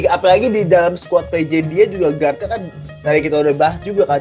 apalagi di dalam squad pj dia juga guardnya kan dari kita udah bahas juga kan